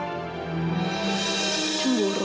tapi dia itu cemburu